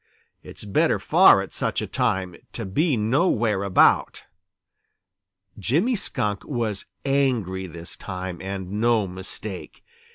It's better far at such a time To be nowhere about. Jimmy Skunk was angry this time and no mistake.